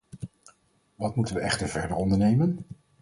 Wat moeten we echter verder ondernemen?